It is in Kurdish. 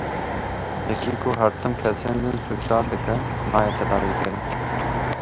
Yekî ku her tim kesên din sûcdar dike, nayê tedawîkirin.